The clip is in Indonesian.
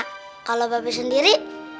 kalau babe sendiri